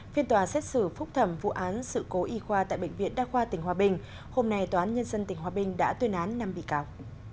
phiên tòa xét xử phúc thẩm vụ án sự cố y khoa tại bệnh viện đa khoa tỉnh hòa bình hôm nay tòa án nhân dân tỉnh hòa bình đã tuyên án năm bị cáo